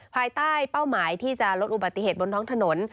ภายใต้เป้าหมายที่จะลดอุบัติเหตุบนท้องถนน